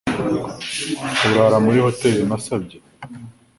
Urara muri hoteri nasabye?